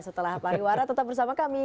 setelah hari warah tetap bersama kami